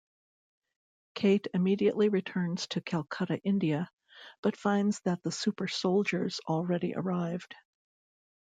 Cate immediately returns to Calcutta, India, but finds that the Super-Soldiers already arrived.